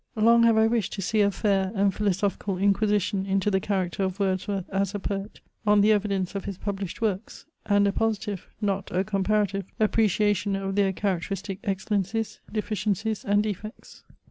Long have I wished to see a fair and philosophical inquisition into the character of Wordsworth, as a poet, on the evidence of his published works; and a positive, not a comparative, appreciation of their characteristic excellencies, deficiencies, and defects.